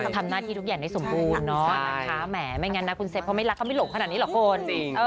ทำหน้าที่ทุกอย่างได้สมบูรณ์เนอะนะคะแหมไม่งั้นนะคุณเซฟเขาไม่รักเขาไม่หลงขนาดนี้หรอกคุณ